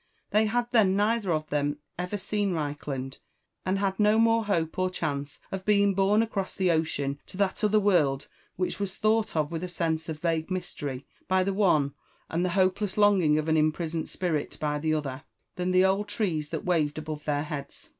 They had then neither of them overseen Reichland, and had nomoro hope or chance of being borne across the ocean to that other world Which was thought of with a sense of ragtie mystery by the one, and the hopeless longing of an imprisoned spirit by the other, than the old trees that waved above their heads.